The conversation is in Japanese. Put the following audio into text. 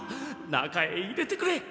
中へ入れてくれ。